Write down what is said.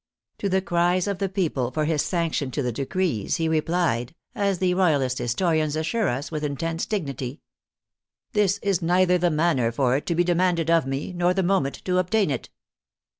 To the cries of the people for his sanction to the decrees, he replied — as the Royalist historians assure us, with intense dignity —" This is neither the manner for it to be demanded of me, nor the moment to obtain "t."